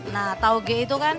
nah tauge itu kan